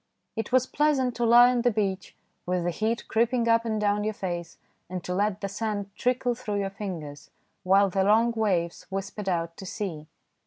It was pleasant to lie on the beach, with the heat creeping up and down your face, and to let the sand trickle through your fingers, while the long waves whispered out to sea.